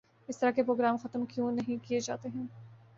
اس طرح کے پروگرام ختم کیوں نہیں کیے جاتے ہیں